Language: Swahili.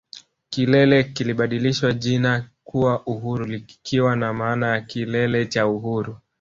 Kilele kilibadilishiwa jina kuwa Uhuru likiwa na maana ya Kilele cha Uhuru